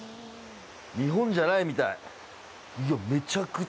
日本じゃないみたい！